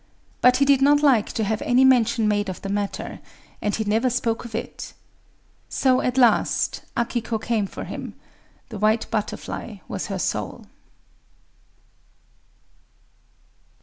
But he did not like to have any mention made of the matter; and he never spoke of it... So, at last, Akiko came for him: the white butterfly was her soul."